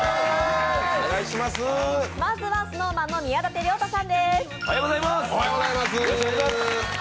まずはＳｎｏｗＭａｎの宮舘涼太さんです。